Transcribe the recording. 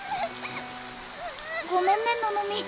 ごめんねののみ。